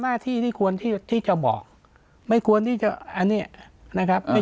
หน้าที่ที่ควรที่ที่จะบอกไม่ควรที่จะอันนี้นะครับที่